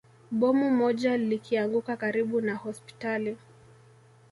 Bomu moja likianguka karibu na hospitali